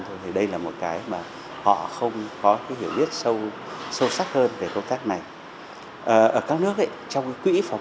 thì đây là một cái mà họ không có hiểu biết sâu sắc hơn về công tác này ở các nước trong quỹ phòng